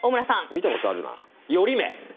見たことあるな。